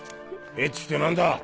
エッチって何だ？